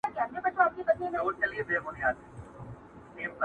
د یو ځوان ښایست په علم او هنر سره دېرېږي،